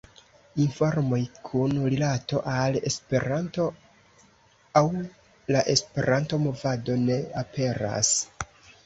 Informoj kun rilato al Esperanto aŭ la Esperanto-movado ne aperas.